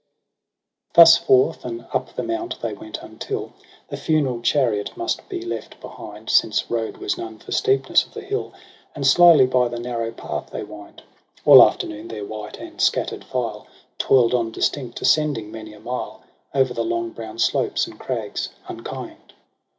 Thus forth and up the mount they went, until The funeral chariot must be left behind. Since road was none for steepness of the hill • And slowly by the narrow path they wind : AU afternoon their white and'scatter'd file ToU'd on distinct, ascending many a mile Over the long brown slopes and crags unkind.